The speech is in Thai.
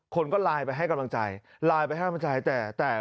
คนก็ไลน์ไปให้กำลังใจไลน์ไปให้กำลังใจแต่แต่